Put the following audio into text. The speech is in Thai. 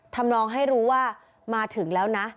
ลองให้รู้ว่ามาถึงแล้วนะ